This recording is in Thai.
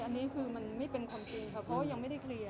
อันนี้คือมันไม่เป็นความจริงค่ะเพราะว่ายังไม่ได้เคลียร์